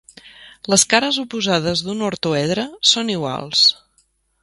Les cares oposades d'un ortoedre són iguals.